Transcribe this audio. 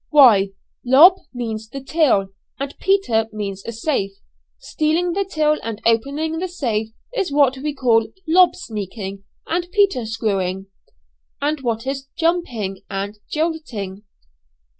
"Why, 'lob' means the till, and 'Peter' means a safe. Stealing the till and opening the safe is what we call 'lob sneaking and Peter screwing.'" "And what is 'jumping' and 'jilting?'"